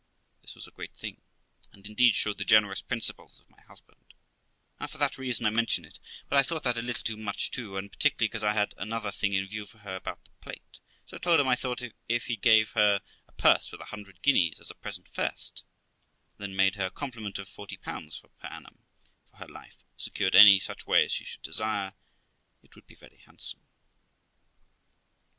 This was a great thing, and indeed showed the generous principles of my husband, and for that reason I mention it; but I thought that a little too much too, aud particularly because I had another thing in view for her about the plate; so I told him I thought, if he gave her a purse with a hundred guineas as a present first, and then made her a compliment of 40 per annum for her life, secured any such way as she should desire, it would be very handsome.